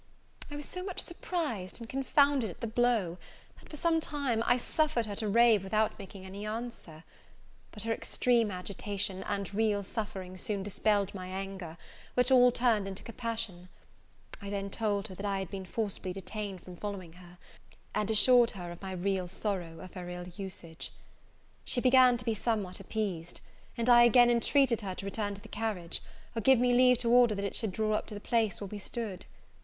I was so much surprised and confounded at the blow, that, for some time, I suffered her to rave without making any answer; but her extreme agitation, and real suffering, soon dispelled my anger, which all turned into compassion. I then told her, that I had been forcibly detained from following her, and assured her of my real sorrow of her ill usage. She began to be somewhat appeased; and I again intreated her to return to the carriage, or give me leave to order that it should draw up to the place where we stood.